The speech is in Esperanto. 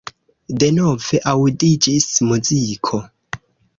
Denove aŭdiĝis muziko.